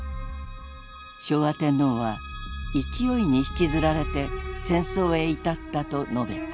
昭和天皇は「勢に引づられて」戦争へ至ったと述べた。